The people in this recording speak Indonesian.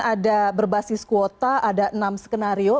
ada berbasis kuota ada enam skenario